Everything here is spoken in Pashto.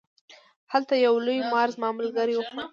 هلته یو لوی مار زما ملګری و خوړ.